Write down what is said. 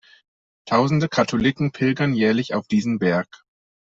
Tausende Katholiken pilgern jährlich auf diesen Berg.